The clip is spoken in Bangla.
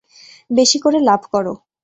বেশি করে লাভ করো।